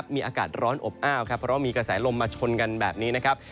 มีอากาศร้อนอบอ้าวครับเพราะว่ามีกระแสลมมาชนกันแบบนี้นะครับ